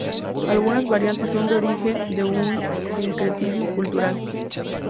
Algunas variantes son origen de un sincretismo cultural.